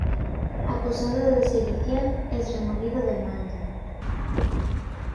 Acusado de sedición, es removido del mando.